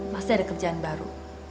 pasti ada kerjaan baru